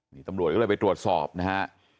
นี่ตำรวจก็เลยไปตรวจสอบนะฮะ